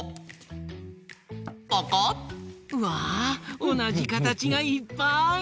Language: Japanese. うわおなじかたちがいっぱい！